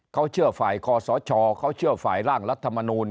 เขาเชื่อฝ่ายคอสชเขาเชื่อฝ่ายร่างรัฐมนูล